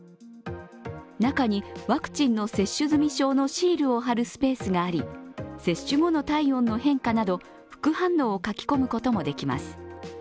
中にワクチンの接種済み証のシールを貼るスペースがあり接種後の体温の変化など、副反応を書き込むこともできます。